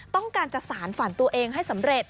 ต้องการจะสารฝันตัวเองให้สำเร็จ